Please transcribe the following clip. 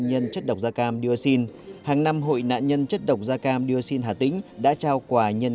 nhân chất độc da cam dioxin hàng năm hội nạn nhân chất độc da cam dioxin hà tĩnh đã trao quà nhân